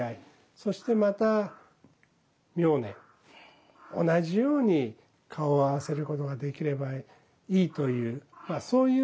そしてまた明年同じように顔を合わせることができればいいというまあそういう一つの節目です。